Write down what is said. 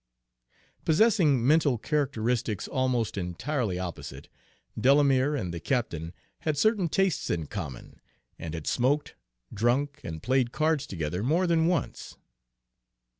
Possessing mental characteristics almost entirely opposite, Delamere and the captain had certain tastes in common, and had smoked, drunk, and played cards together more than once.